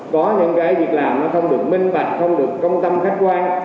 có những cái việc làm nó không được minh bạch không được công tâm khách quan